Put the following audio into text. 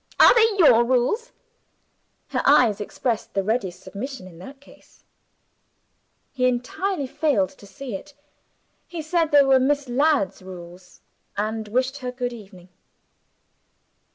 "Are they your rules?" Her eyes expressed the readiest submission in that case. He entirely failed to see it: he said they were Miss Ladd's rules and wished her good evening.